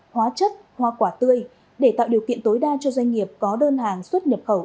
hóa chất hoa quả tươi để tạo điều kiện tối đa cho doanh nghiệp có đơn hàng xuất nhập khẩu